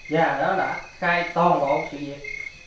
dạ nó đã khai tồn bộ sự việc